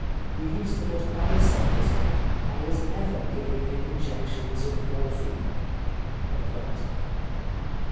We used to put ice on his head. I was ever giving him injections of morphine."